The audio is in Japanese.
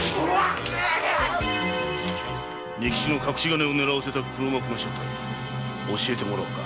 仁吉の隠し金を狙わせた黒幕の正体を教えてもらおうか。